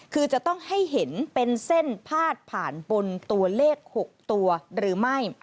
คือจะต้องให้เห็นเป็นเส้นพาดผ่านบนตัวเลข๖ตัวหรือไม่